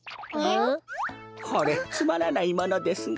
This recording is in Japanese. これつまらないものですが。